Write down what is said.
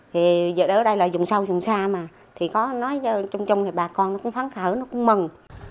thì giờ ở đây là dùng sâu dùng xa mà thì có nói chung chung thì bà con nó cũng phán khởi nó cũng mừng